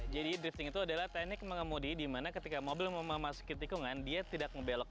jadi drifting itu adalah teknik mengemudi dimana ketika mobil memasuki tikungan dia tidak membelok